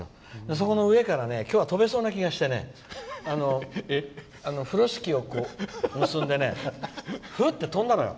その上から今日は飛べそうな気がして風呂敷を結んでふっと飛んだのよ。